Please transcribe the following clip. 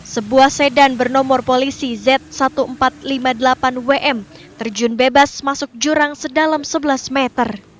sebuah sedan bernomor polisi z seribu empat ratus lima puluh delapan wm terjun bebas masuk jurang sedalam sebelas meter